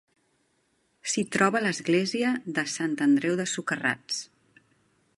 S'hi troba l'església de Sant Andreu de Socarrats.